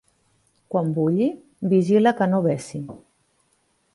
Quan bulli, vigila que no vessi.